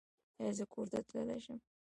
ایا زه کور ته تللی شم؟